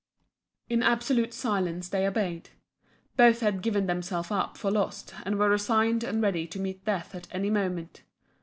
In absolute silence they obeyed. Both had given themselves up for lost and were resigned and ready to meet death at any moment.